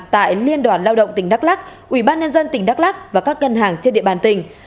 tại liên đoàn lao động tỉnh đắk lắc ubnd tỉnh đắk lắc và các ngân hàng trên địa bàn tỉnh